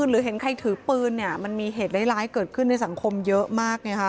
หรือเห็นใครถือปืนเนี่ยมันมีเหตุร้ายเกิดขึ้นในสังคมเยอะมากไงคะ